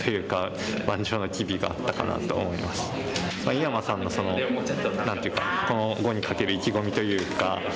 井山さんの何ていうかこの碁にかける意気込みというか。